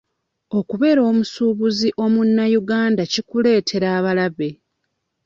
Okubeera omusuubuzi omunnayuganda kikuleetera abalabe.